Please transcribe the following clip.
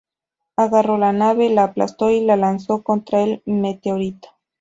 Agarró la nave, la aplastó y la lanzó contra el meteorito.